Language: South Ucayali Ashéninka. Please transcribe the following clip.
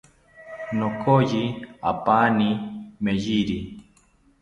Nokoyi apani meyiri